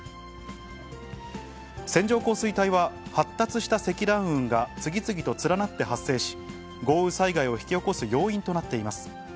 線状降水帯は、発達した積乱雲が次々と連なって発生し、豪雨災害を引き起こす要因となっています。